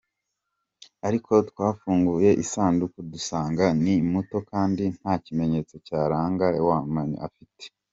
Ariko twafunguye isanduku dusanga ni muto kandi nta kimenyetso cyarangaga Wanyama afite.